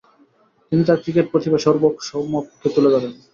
তিনি তার ক্রিকেট প্রতিভা সর্বসমক্ষে তুলে ধরেন।